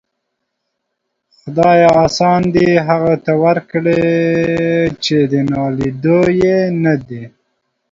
خداىه! آسان دي هغو ته ورکړي چې د ناليدو يې ندې.